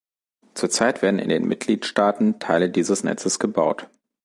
Zur Zeit werden in den Mitgliedstaaten Teile dieses Netzes gebaut.